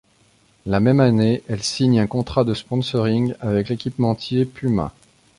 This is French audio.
La même année, elle signe un contrat de sponsoring avec l'équipementier Puma.